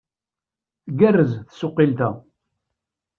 Tgerrez tsuqilt-a!